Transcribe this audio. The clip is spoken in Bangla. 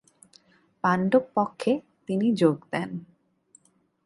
পাণ্ডব পক্ষে তিনি যোগ দেন।